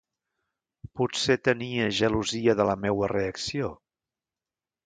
Potser tenia gelosia de la meua reacció?